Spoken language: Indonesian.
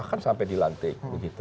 bahkan sampai dilantik